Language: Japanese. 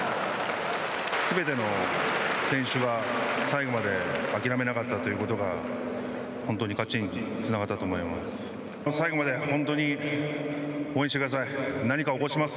すべての選手が最後まで諦めなかったということが本当に勝ちにつながったと思います。